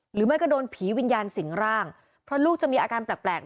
หรือไม่ก็โดนผีวิญญาณสิงร่างเพราะลูกจะมีอาการแปลก